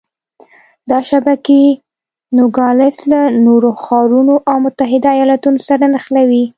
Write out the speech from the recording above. دا شبکې نوګالس له نورو ښارونو او متحده ایالتونو سره نښلوي.